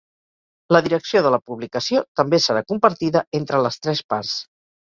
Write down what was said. La direcció de la publicació també serà compartida entre les tres parts.